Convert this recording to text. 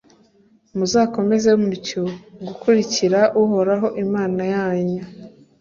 muzakomeza mutyo gukurikira uhoraho, imana yanyu